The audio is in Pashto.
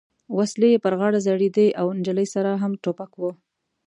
وسلې یې پر غاړه ځړېدې او نجلۍ سره هم ټوپک و.